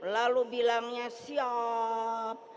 lalu bilangnya siap